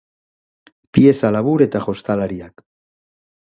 Pieza labur eta jostalariak.